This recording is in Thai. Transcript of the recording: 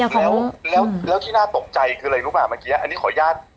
แล้วแล้วที่น่าตกใจคืออะไรรู้ป่ะเมื่อกี้อันนี้ขออนุญาต